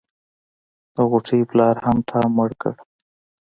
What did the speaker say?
د غوټۍ پلار هم تا مړ کو.